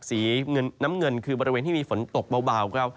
สีน้ำเงินคือบริเวณที่มีฝนตกเบาครับ